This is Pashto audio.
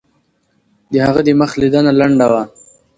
د هغه مخ لیدنه لنډه وه.